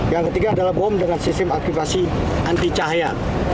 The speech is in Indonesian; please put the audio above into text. yang ketiga adalah bom dengan sistem aktivasi anti cahaya